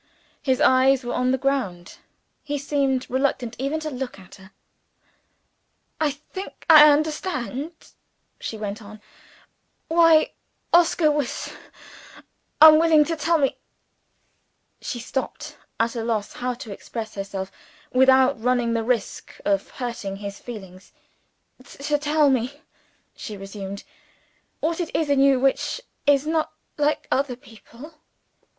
His eyes were on the ground. He seemed reluctant even to look at her. "I think I understand," she went on, "why Oscar was unwilling to tell me " she stopped, at a loss how to express herself without running the risk of hurting his feelings "to tell me," she resumed, "what it is in you which is not like other people.